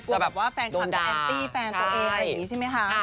แบบว่าแฟนคลับจะแอนตี้แฟนตัวเองอะไรอย่างนี้ใช่ไหมคะ